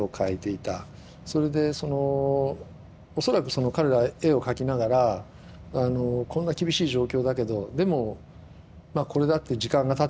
それで恐らく彼ら絵を描きながらこんな厳しい状況だけどでもこれだって時間がたてばね